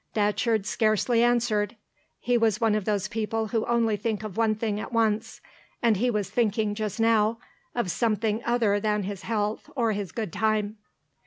Datcherd scarcely answered; he was one of those people who only think of one thing at once, and he was thinking just now of something other than his health or his good time.